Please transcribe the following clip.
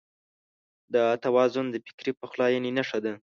دا توازن د فکري پخلاينې نښه ده.